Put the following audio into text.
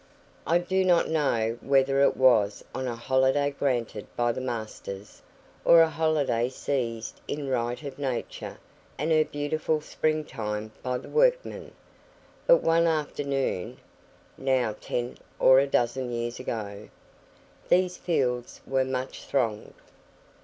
I do not know whether it was on a holiday granted by the masters, or a holiday seized in right of Nature and her beautiful spring time by the workmen, but one afternoon (now ten or a dozen years ago) these fields were much thronged.